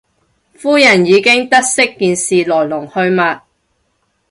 夫人已經得悉件事來龍去脈